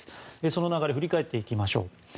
その流れを振り返っていきましょう。